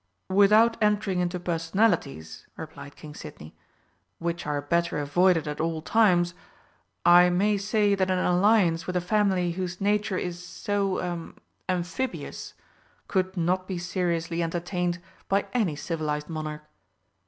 "Without entering into personalities," replied King Sidney, "which are better avoided at all times, I may say that an alliance with a family whose nature is so er amphibious could not be seriously entertained by any civilised monarch."